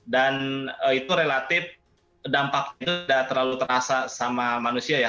dan itu relatif dampaknya tidak terlalu terasa sama manusia ya